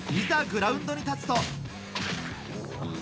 グラウンドに立つと。